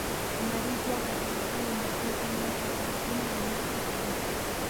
لمریز ځواک د افغانستان د ناحیو ترمنځ تفاوتونه رامنځ ته کوي.